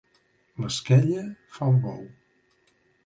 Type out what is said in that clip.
L'esquella fa el bou.